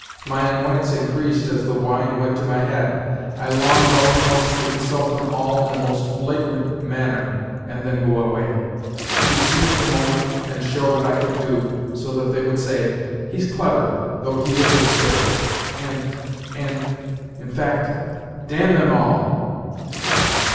My annoyance increased as the wine went to my head. I longed all at once to insult them all in a most flagrant manner and then go away. To seize the moment and show what I could do, so that they would say, " He's clever, though he is absurd," and ... and ... in fact, damn them all!